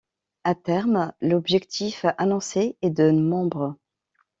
À terme, l'objectif annoncé est de membres.